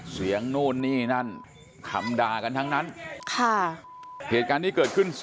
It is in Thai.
นู่นนี่นั่นคำด่ากันทั้งนั้นเหตุการณ์นี้เกิดขึ้น